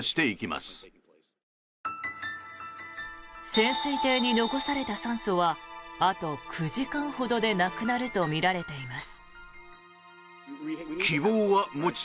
潜水艇に残された酸素はあと９時間ほどでなくなるとみられています。